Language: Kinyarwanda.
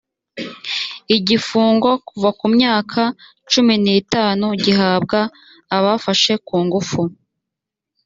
igifungo kuva ku myaka cumi n itanu gihabwa abafashe kungufu